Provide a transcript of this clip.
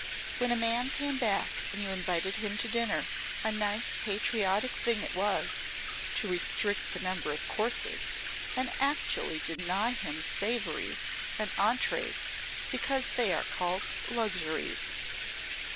When a man came back and you invited him to dinner, a nice patriotic thing it was to restrict the number of courses and actually deny him savouries and entrées because they are called luxuries.